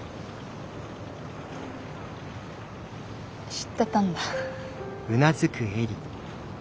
知ってたんだ。